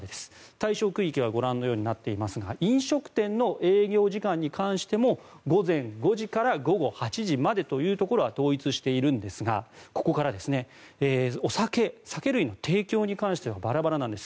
対象区域はご覧のようになっていますが飲食店の営業時間に関しても午前５時から午後８時というところは統一しているんですが酒類の提供に関してはバラバラなんです。